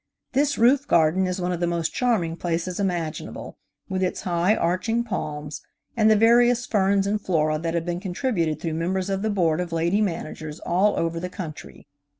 This roof garden is one of the most charming places imaginable, with its high, arching palms, and the various ferns and flora that have been contributed through members of the Board of Lady Managers all over the country.